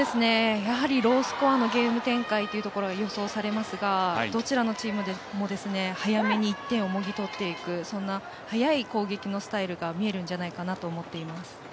ロースコアのゲーム展開というところが予想されますがどちらのチームも早めに１点をもぎ取っていく、そんな早い攻撃のスタイルが見えるんじゃないかなと思っています。